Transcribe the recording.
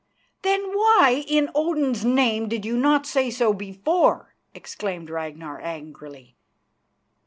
"Then why in Odin's name did you not say so before?" exclaimed Ragnar angrily.